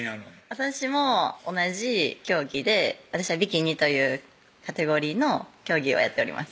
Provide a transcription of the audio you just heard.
私も同じ競技で私はビキニというカテゴリーの競技をやっております